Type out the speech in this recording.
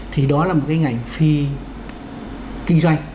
thì đó là một cái ngành phi kinh doanh